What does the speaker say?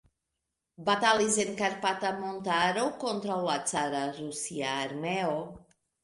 Batalis en Karpata montaro kontraŭ la cara rusia armeo.